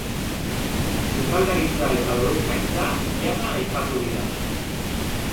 Sukaldaritza eta lorezaintza jada aipatu dira.